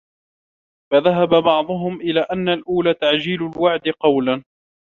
فَذَهَبَ بَعْضُهُمْ إلَى أَنَّ الْأَوْلَى تَعْجِيلُ الْوَعْدِ قَوْلًا